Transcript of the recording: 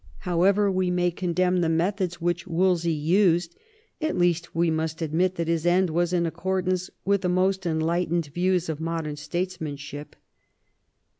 However we may condemn the methods which Wolsey used, at least we must admit that his end was in accordance with the most enlightened views of modem statesmanship.